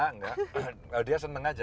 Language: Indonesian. enggak enggak dia seneng aja